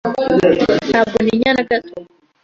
Ntabwo ntinya na gato.